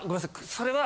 それは。